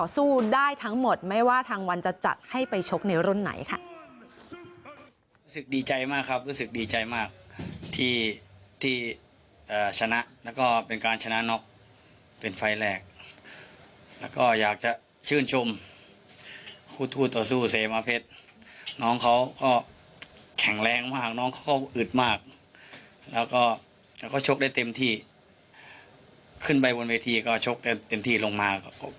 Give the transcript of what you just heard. สู้ได้ทั้งหมดไม่ว่าทางวันจะจัดให้ไปชกในรุ่นไหนค่ะ